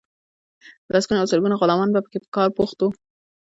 لسګونه او زرګونه غلامان به پکې په کار بوخت وو.